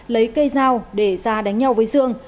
lấy cây dao để ra đánh nhau với dương